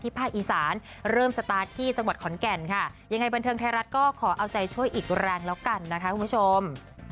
ภาคอีสานเริ่มสตาร์ทที่จังหวัดขอนแก่นค่ะยังไงบันเทิงไทยรัฐก็ขอเอาใจช่วยอีกแรงแล้วกันนะคะคุณผู้ชม